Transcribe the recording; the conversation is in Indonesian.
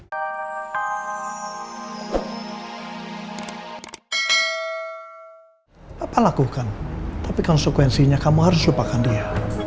apa lakukan tapi konsekuensinya kamu harus lupakan dia